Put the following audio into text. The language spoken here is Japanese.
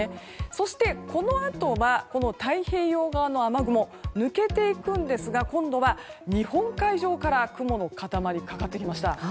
そしてこのあとは太平洋側の雨雲が抜けていくんですが今度は日本海上から雲の塊がかかってきました。